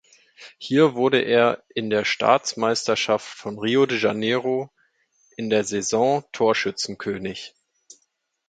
Hier wurde er in der Staatsmeisterschaft von Rio de Janeiro in der Saison Torschützenkönig.